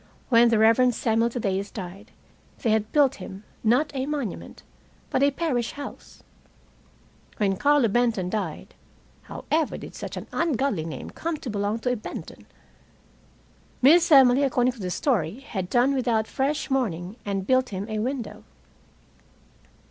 When the Reverend Samuel Thaddeus died, they had built him, not a monument, but a parish house. When Carlo Benton died (however did such an ungodly name come to belong to a Benton?) Miss Emily according to the story, had done without fresh mourning and built him a window.